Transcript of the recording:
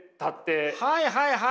はいはいはい。